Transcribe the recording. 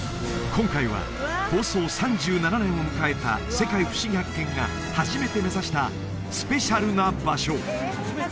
今回は放送３７年を迎えた「世界ふしぎ発見！」が初めて目指したスペシャルな場所